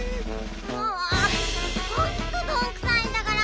もうほんとどんくさいんだから。